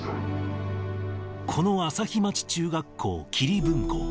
この旭町中学校桐分校。